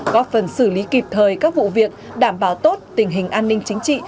góp phần xử lý kịp thời các vụ việc đảm bảo tốt tình hình an ninh chính trị